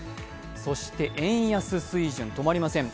そして円安水準、止まりません。